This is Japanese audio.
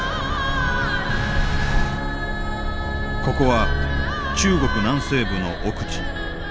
ここは中国南西部の奥地。